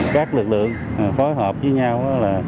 các lực lượng phối hợp với nhau